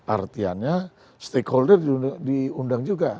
artianya stakeholder diundang juga